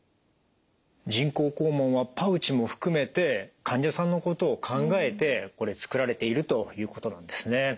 人工肛門はパウチも含めて患者さんのことを考えてつくられているということなんですね。